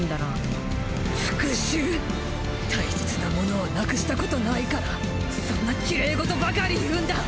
大切なものをなくしたことないからそんなきれいごとばかり言うんだ！